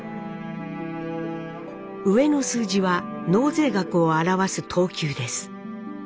上の数字は納税額を表す等級です。